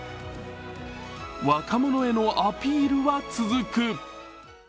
若者へのアピールは続く。